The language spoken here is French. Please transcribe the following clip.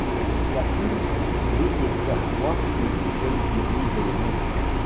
La pub veut te faire croire que les jeunes dirigent le monde.